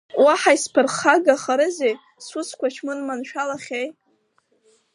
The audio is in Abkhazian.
Уаҳа исԥырхагахарызеи, сусқәа шәмырманшәалахьеи!